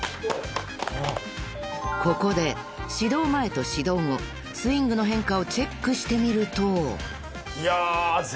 ［ここで指導前と指導後スイングの変化をチェックしてみると］